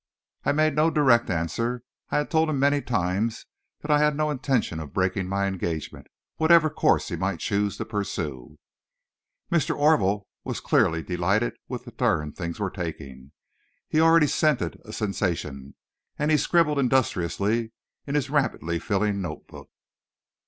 "I made no direct answer. I had told him many times that I had no intention of breaking my engagement, whatever course he might choose to pursue." Mr. Orville was clearly delighted with the turn things were taking. He already scented a sensation, and he scribbled industriously in his rapidly filling note book.